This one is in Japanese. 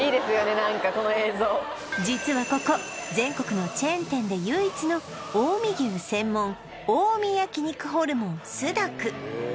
何かこの映像実はここ全国のチェーン店で唯一の近江牛専門近江焼肉ホルモンすだく